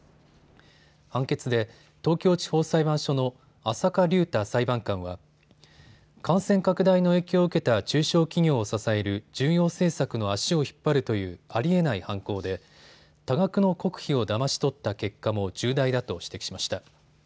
判決で東京地方裁判所の浅香竜太裁判官は感染拡大の影響を受けた中小企業を支える重要政策の足を引っ張るというありえない犯行で多額の国費をだまし取った結果も重大だと指摘しました。